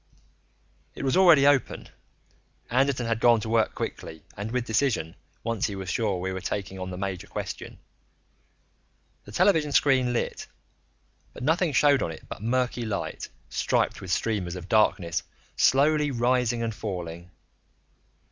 It was already open; Anderton had gone to work quickly and with decision once he was sure we were taking on the major question. The television screen lit, but nothing showed on it but murky light, striped with streamers of darkness slowly rising and falling.